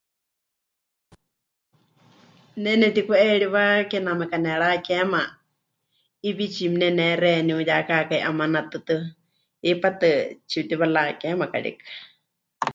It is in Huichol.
Ne nepɨtiku'eriwa kename kanerakema 'iwi tsimɨnené xeeníu ya kaakái 'emanatɨtɨ, hipátɨ tsipɨtiwarakeema karikɨ.